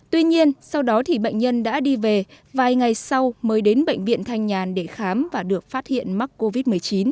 tuy nhiên sau đó thì bệnh nhân đã đi về vài ngày sau mới đến bệnh viện thanh nhàn để khám và được phát hiện mắc covid một mươi chín